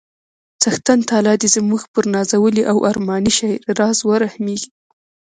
څښتن تعالی دې زموږ پر نازولي او ارماني شاعر راز ورحمیږي